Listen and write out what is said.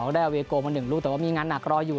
ได้อาเวโกมา๑ลูกแต่ว่ามีงานหนักรออยู่